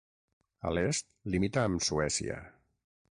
A l'est limita amb Suècia.